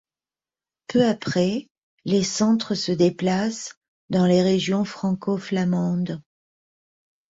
Peu après, les centres se déplacent dans les régions franco-flamandes.